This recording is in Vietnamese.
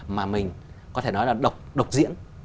mà mình có thể nói là độc diễn